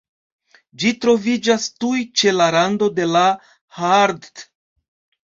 Ĝi troviĝas tuj ĉe la rando de la Haardt.